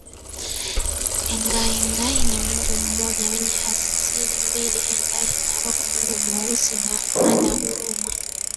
Engai Engai ni Mungu mmoja mwenye asili mbili Engai Narok Mungu Mweusi ana huruma